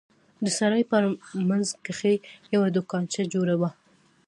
د سراى په منځ کښې يوه دوکانچه جوړه وه.